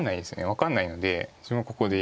分かんないので一応ここで４。